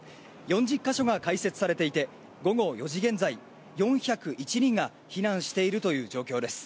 ４０か所が開設されていて、午後４時現在、４０１人が避難しているという状況です。